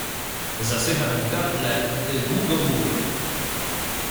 "Zasycha mi w gardle, gdy długo mówię“."